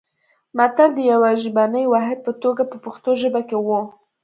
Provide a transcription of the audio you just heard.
متل د یوه ژبني واحد په توګه په پښتو ژبه کې و